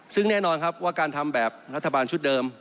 ซึ่งแน่นอนครับว่าการทำแบบรัฐบาลชุดเดิม